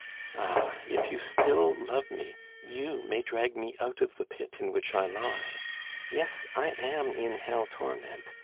Ah! if you still love me, you may drag me out of the pit in which I lie. Yes, I am in hell torment!